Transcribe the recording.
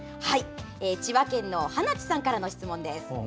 千葉県、はなちさんからの質問です。